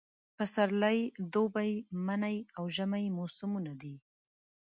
پسرلی، دوبی، منی اوژمی موسمونه